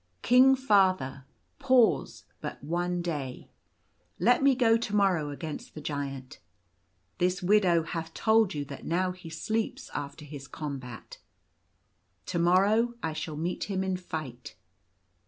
King, Father, pause but one day. Let me go to morrow against the Giant. This widow hath told you that now he sleeps after his combat. To morrow I shall meet him in fight.